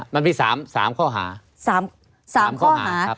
มันมีสามข้อหาสามข้อหา